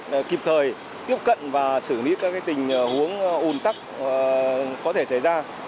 để kịp thời tiếp cận và xử lý các tình huống ồn tắc có thể trải ra